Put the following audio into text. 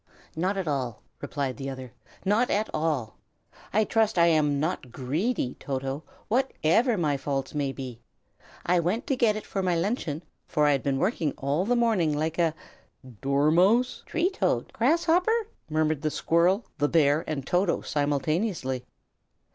"Not at all!" replied the other, "not at all! I trust I am not greedy, Toto, whatever my faults may be. I went to get it for my luncheon, for I had been working all the morning like a " "Dormouse!" "Tree toad!" "Grasshopper!" murmured the squirrel, the bear, and Toto, simultaneously.